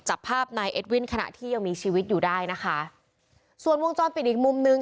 จับภาพนายเอ็ดวินขณะที่ยังมีชีวิตอยู่ได้นะคะส่วนวงจรปิดอีกมุมนึง